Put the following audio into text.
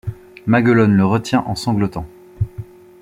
Maguelonne le retient en sanglotant.